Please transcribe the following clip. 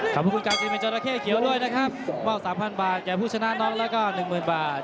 ขอบคุณการที่เป็นจอระเข้เขียวด้วยนะครับเมาสามพันบาทแก่ผู้ชนะน้อยแล้วก็หนึ่งหมื่นบาท